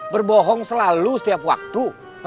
berbohong selalu setiap waktu